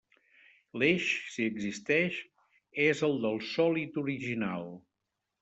L'eix, si existeix, és el del sòlid original.